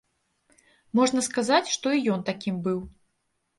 Можна сказаць, што і ён такім быў.